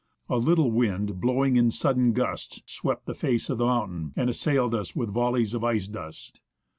A little wind blowing in sudden gusts swept the face of the mountain, and assailed us with volleys of icy dust.